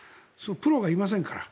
プロがいませんから。